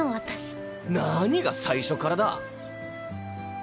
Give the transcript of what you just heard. なにが最初からだ！